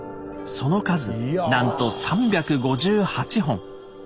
その数なんと３５８本。